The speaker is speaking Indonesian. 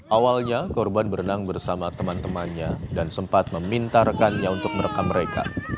awalnya korban berenang bersama teman temannya dan sempat meminta rekannya untuk merekam mereka